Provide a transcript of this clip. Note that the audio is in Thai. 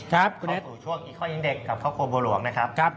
เข้าสู่ช่วงอีกข้อยิ้งเด็กกับครอบครัวบัวหลวงนะครับ